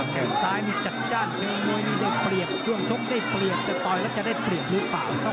เป็นเรื่องทันทีนะครับ